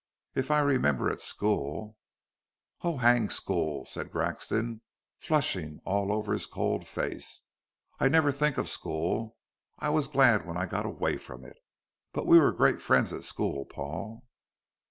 If I remember at school " "Oh, hang school!" said Grexon, flushing all over his cold face. "I never think of school. I was glad when I got away from it. But we were great friends at school, Paul."